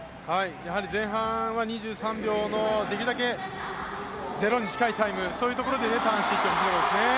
やはり前半は２３秒のできるだけゼロに近いタイムそういうところでターンしていってほしいですね。